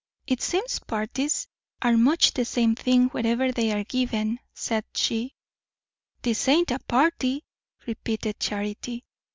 "It seems parties are much the same thing, wherever they are given," she said. "This ain't a party," repeated Charity.